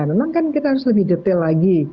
memang kan kita harus lebih detail lagi